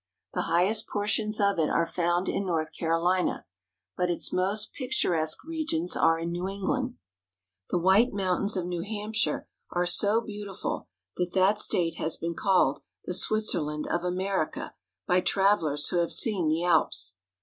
The highest portions of it are found in North Carolina, but its most picturesque regions are in New The White Mountains. England. The White Mountains of New Hampshire are so beautiful that that state has been called the Switzerland of America bv travelers who have seen the Alps.